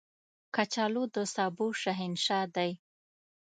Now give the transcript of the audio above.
کچالو د سبو شهنشاه دی